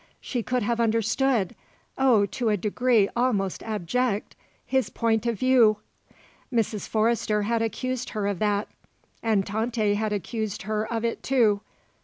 She could have understood oh, to a degree almost abject his point of view. Mrs. Forrester had accused her of that. And Tante had accused her of it, too.